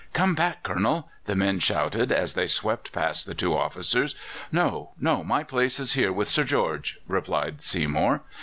"Come back, Colonel!" the men shouted as they swept past the two officers. "No, no; my place is here with Sir George," replied Seymour.